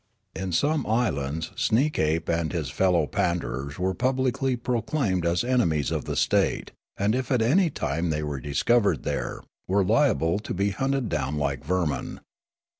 In some islands Sneekape and his fellow panders were publicly proclaimed as enemies of the state, and, if at any time they were discov^ered there, were liable to be hunted down like vermin.